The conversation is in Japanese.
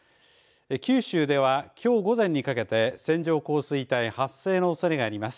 九州では、きょう午前にかけて線状降水帯発生のおそれがあります。